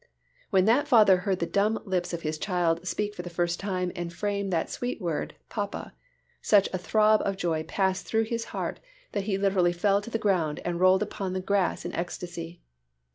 When that father heard the dumb lips of his child speak for the first time and frame that sweet word "Papa," such a throb of joy passed through his heart that he literally fell to the ground and rolled upon the grass in ecstasy.